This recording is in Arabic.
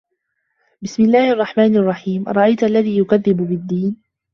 بِسمِ اللَّهِ الرَّحمنِ الرَّحيمِ أَرَأَيتَ الَّذي يُكَذِّبُ بِالدّينِ